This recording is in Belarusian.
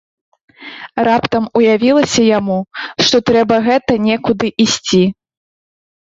Раптам уявілася яму, што трэба гэта некуды ісці.